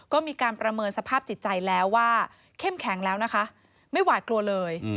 ก็มีการประเมินสภาพจิตใจแล้วว่าเข้มแข็งแล้วนะคะไม่หวาดกลัวเลย